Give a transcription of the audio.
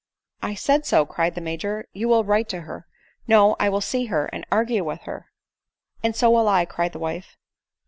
" I said so," cried the Major. " You will write to her." " No ; I will see her, and argue with her." " And so will I," cried the wife.